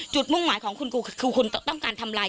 มุ่งหมายของคุณกูคือคุณต้องการทำอะไร